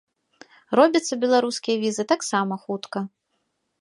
Робяцца беларускія візы таксама хутка.